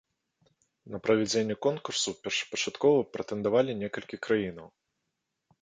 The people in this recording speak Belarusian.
На правядзенне конкурсу першапачаткова прэтэндавалі некалькі краінаў.